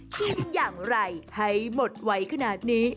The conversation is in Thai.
กินอย่างไรให้หมดไหวขนาดนี้